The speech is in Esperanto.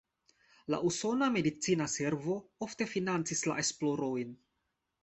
La usona medicina servo ofte financis la esplorojn.